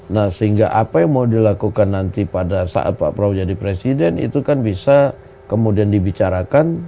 nah sehingga apa yang mau dilakukan nanti pada saat pak prabowo jadi presiden itu kan bisa kemudian dibicarakan